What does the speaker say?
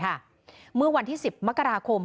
เมื่อวันที่๑๐มกราคม